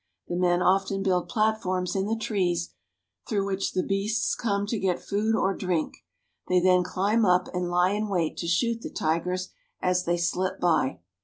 The men often build platforms in the trees through which the beasts come to get food or drink. They then climb up and lie in wait to shoot the tigers as they slip by.